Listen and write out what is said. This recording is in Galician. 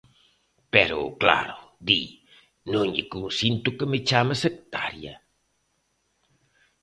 Pero, claro, di: non lle consinto que me chame sectaria.